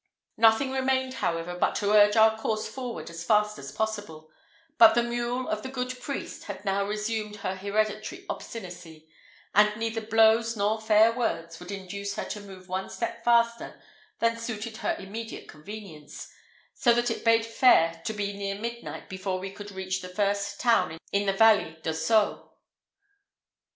Nothing remained, however, but to urge our course forward as fast as possible; but the mule of the good priest had now resumed her hereditary obstinacy, and neither blows nor fair words would induce her to move one step faster than suited her immediate convenience; so that it bade fair to be near midnight before we could reach the first town in the valley D'Ossau.